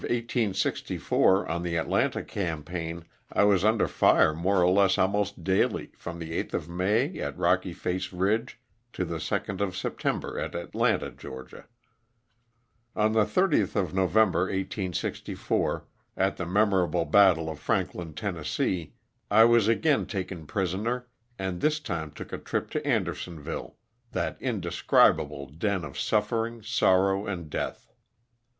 in the summer of 1864 on the Atlanta campaign I was under fire more or less almost daily from the 8th of May at Kocky Face Ridge to the 2d of September at Atlanta, Ga. On the 30th of November, 1864, at the memorable battle of Franklin, Tenn., I was again taken prisoner and this time took a trip to Anderson ville, that indescribable den of suffering, sorrow and death.